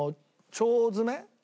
腸詰め。